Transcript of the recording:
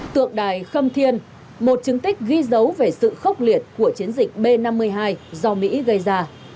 tượng đài khâm thiên một chứng tích ghi dấu về sự khốc liệt của chiến dịch b năm mươi hai do mỹ gây ra